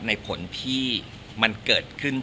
ในผลที่มันเกิดขึ้น